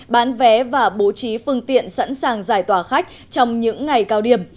bán vé và bố trí phương tiện sẵn sàng giải tỏa khách trong những ngày cao điểm